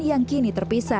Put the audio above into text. yang kini terpisah